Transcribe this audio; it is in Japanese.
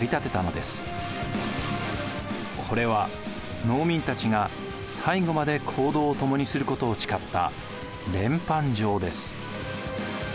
これは農民たちが最後まで行動を共にすることを誓った連判状です。